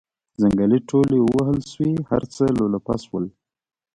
ځنګلې ټولې ووهل شوې هر څه لولپه شول.